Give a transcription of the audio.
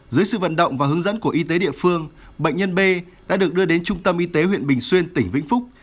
dưới sự vận động và hướng dẫn của y tế địa phương bệnh nhân b đã được đưa đến trung tâm y tế huyện bình xuyên tỉnh vĩnh phúc